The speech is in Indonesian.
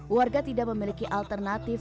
warga tidak memiliki alternatif